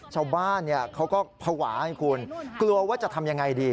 ชาวบ้านเขาก็ภาวะให้คุณกลัวว่าจะทำยังไงดี